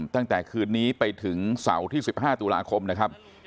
ตั้งแต่คืนนี้ไปถึงเสาร์ที่๑๕ตุลาคมนะครับ